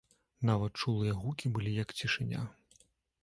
Нават чулыя гукі былі як цішыня.